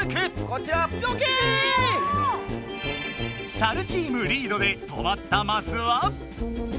サルチームリードでとまったマスは。